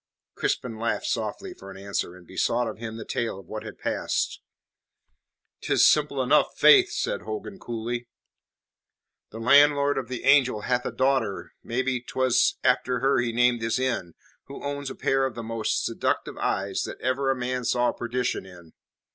Crispin laughed softly for answer, and besought of him the tale of what had passed. "Tis simple enough, faith," said Hogan coolly. "The landlord of The Angel hath a daughter maybe 'twas after her he named his inn who owns a pair of the most seductive eyes that ever a man saw perdition in.